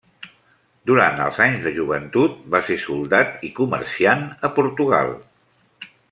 Durant els anys de joventut va ser soldat i comerciant a Portugal.